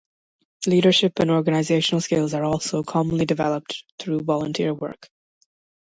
Leadership and organizational skills are also commonly developed through volunteer work.